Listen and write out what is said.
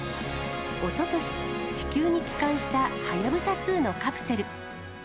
おととし、地球に帰還したはやぶさ２のカプセル。